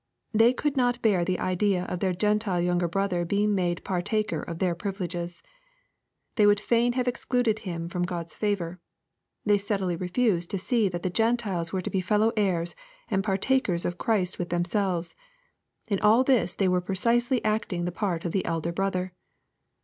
They could not bear the idea of their Gentile younger brother being made par taker of their privileges^ They would fain have excluded him from God's favor. They steadily refused to see that the Gentiles were to be fellow heirs and partakers of Christ with themselves In all this they were precisely acting the part of the " elder brother."